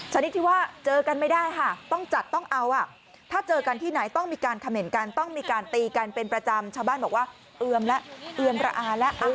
ชนิดที่ว่าเจอกันไม่ได้ค่ะต้องจัดต้องเอาถ้าเจอกันที่ไหนต้องมีการเขม่นกันต้องมีการตีกันเป็นประจำชาวบ้านบอกว่าเอือมแล้วเอือมระอาแล้ว